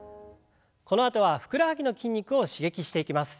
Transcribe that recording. このあとはふくらはぎの筋肉を刺激していきます。